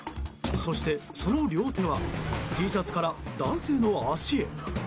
そして、その両手はＴシャツから男性の足へ。